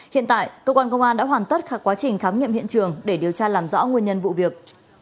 hiện tại cơ quan công an đã hoàn tất quá trình khám nghiệm hiện trường để điều tra làm rõ nguyên nhân vụ việc